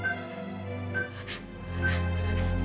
dia sudah berakhir